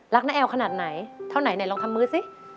น้าแอลขนาดไหนเท่าไหนไหนลองทำมือสิ